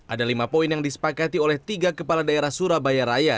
ada lima poin yang disepakati oleh tiga kepala daerah surabaya raya